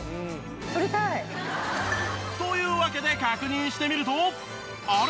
撮りたい。というわけで確認してみるとあれ？